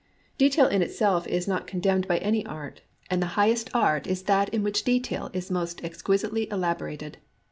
Detail in itself is not condemned by any art ; and the highest art is that in which detail is most exquisitely elaborated.